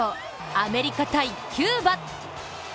アメリカ×キューバ。